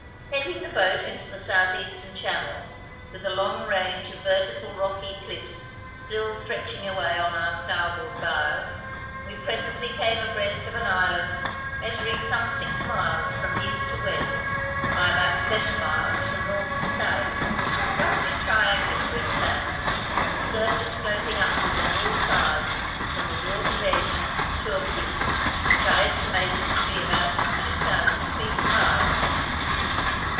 Heading the boat into the south eastern channel, with the long range of vertical rocky cliffs still stretching away on our starboard bow, we presently came abreast of an island measuring some six miles from east to west, by about seven miles from north to south, roughly triangular in plan, the surface sloping upward on all sides from the water's edge to a peak which I estimated to be about two thousand feet high.